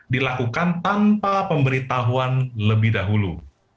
dilakukan tanpa pemberitahuan lebih dahulu